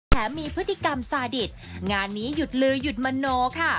แถมมีพฤติกรรมซาดิตงานนี้หยุดลือหยุดมโนค่ะ